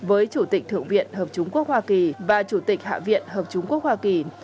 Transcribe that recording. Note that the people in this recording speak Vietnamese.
với chủ tịch thượng viện hợp chúng quốc hoa kỳ và chủ tịch hạ viện hợp chúng quốc hoa kỳ